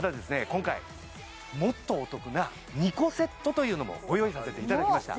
今回もっとお得な２個セットというのもご用意させていただきました